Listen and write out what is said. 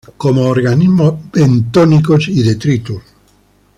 Come organismos bentónicos y detritus.